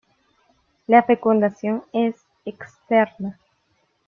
La fecundación es externa.